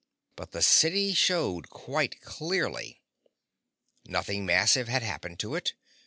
But the city showed quite clearly. Nothing massive had happened to it.